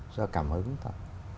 do cảm hứng thôi